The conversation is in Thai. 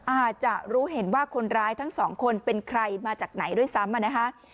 อาจจะรู้เห็นว่าคนร้ายทั้งสองคนเป็นใครมาจากไหนด้วยซ้ำนะคะ